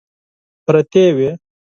پرتې وې.